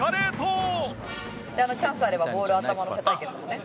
チャンスあればボール頭のせ対決もね。